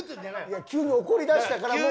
いや急に怒りだしたからもう。